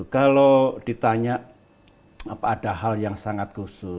kalau ditanya apa ada hal yang sangat khusus